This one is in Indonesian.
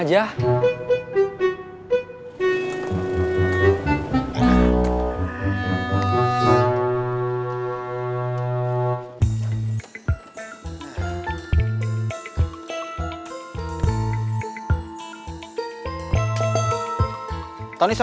yang disuruh langsung beresin